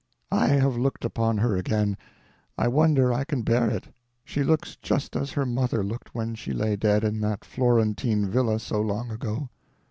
I have looked upon her again. I wonder I can bear it. She looks just as her mother looked when she lay dead in that Florentine villa so long ago.